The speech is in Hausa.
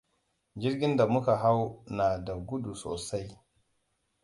Jirgin da muka hau na da gudu sosai.